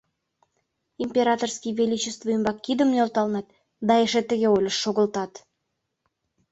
— Императорский величество ӱмбак кидым нӧлталынат да эше тыге ойлышт шогылтат.